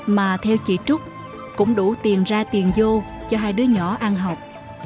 mà theo chị trúc cũng đủ tiền ra tiền vô cho hai đứa nhỏ ăn học